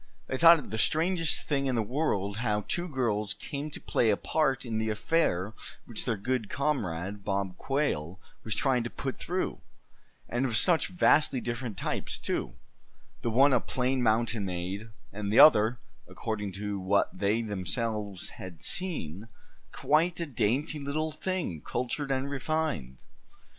They thought it the strangest thing in the world how two girls came to play a part in the affair which their good comrade, Bob Quail, was trying to put through; and of such vastly different types too, the one a plain mountain maid, and the other, according to what they themselves had seen, quite a dainty little thing, cultured and refined.